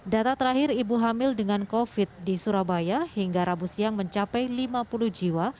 data terakhir ibu hamil dengan covid di surabaya hingga rabu siang mencapai lima puluh jiwa